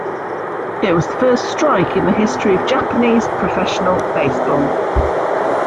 It was the first strike in the history of Japanese professional baseball.